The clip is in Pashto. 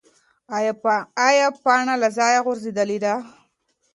ایا پاڼه له ځایه غورځېدلې ده؟